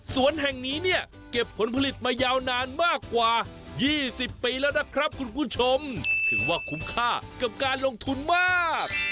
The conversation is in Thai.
สวนแห่งนี้เนี่ยเก็บผลผลิตมายาวนานมากกว่า๒๐ปีแล้วนะครับคุณผู้ชมถือว่าคุ้มค่ากับการลงทุนมาก